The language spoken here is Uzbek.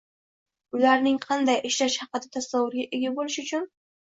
ularning qanday ishlashi haqida tasavvurga ega bo‘lish uchun